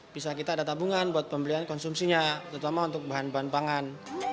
bisa kita ada tabungan buat pembelian konsumsinya terutama untuk bahan bahan pangan